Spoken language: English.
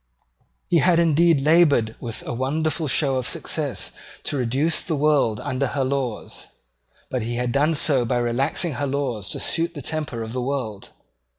He had indeed laboured with a wonderful show of success to reduce the world under her laws; but he had done so by relaxing her laws to suit the temper of the world.